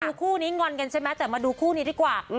คู่นี้งอนกันใช่ไหมแต่มาดูคู่นี้ดีกว่า